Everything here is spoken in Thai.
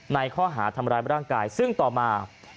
ในข้อหาทำร้ายร่างกายซึ่งต่อมา